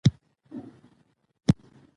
چې اوس په کور کې سوتکى بوتکى پروت دى.